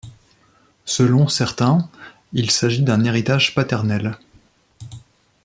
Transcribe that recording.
Selon certain, il s'agit d'un héritage paternel.